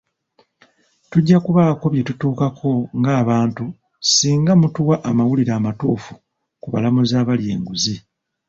Tujja kubaako bye tutuukako ng'abantu, singa mutuwa amawulire amatuufu ku balamuzi abalya enguzi.